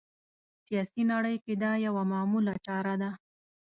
سیاسي نړۍ کې دا یوه معموله چاره ده